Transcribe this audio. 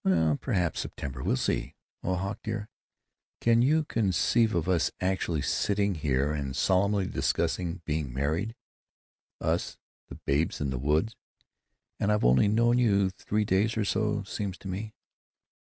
"Well, perhaps September. We'll see. Oh, Hawk dear, can you conceive of us actually sitting here and solemnly discussing being married? Us, the babes in the wood? And I've only known you three days or so, seems to me....